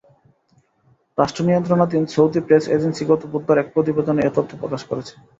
রাষ্ট্রনিয়ন্ত্রণাধীন Saudi press agency গত বুধবার এক প্রতিবেদনে এ তথ্য প্রকাশ করেছে।